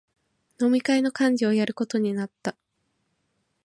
飲み会の幹事をやることになった